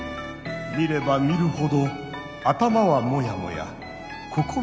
見れば見るほど頭はモヤモヤ心もモヤモヤ。